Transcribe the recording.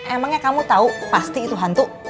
emangnya kamu tahu pasti itu hantu